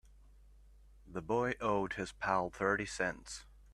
The boy owed his pal thirty cents.